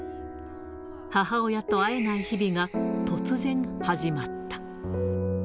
母親と会えない日々が突然始まった。